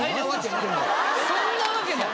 そんなわけない。